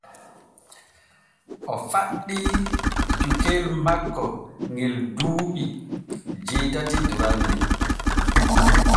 O faɗɗi cukayel makko ŋe duuɓi jeetati duranne.